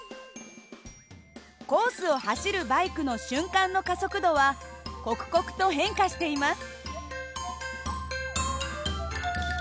コースを走るバイクの瞬間の加速度は刻々と変化しています。